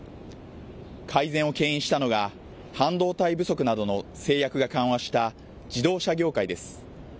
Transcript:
改善をけん引したのが半導体不足などの制約が緩和した自動車業界です。